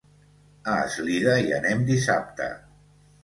A Eslida hi anem dissabte.